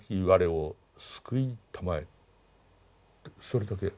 それだけ。